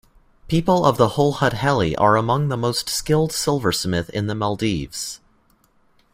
People of Hulhudheli are among the most skilled silversmith in the maldives.